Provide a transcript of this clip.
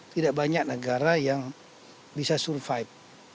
tidak banyak negara yang bisa survive